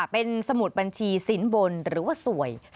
เป็นสมุดบัญชีสินบนหรือว่าสวย